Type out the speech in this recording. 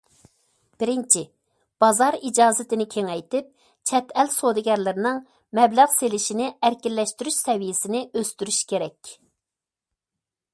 بىرىنچى، بازار ئىجازىتىنى كېڭەيتىپ، چەت ئەل سودىگەرلىرىنىڭ مەبلەغ سېلىشىنى ئەركىنلەشتۈرۈش سەۋىيەسىنى ئۆستۈرۈش كېرەك.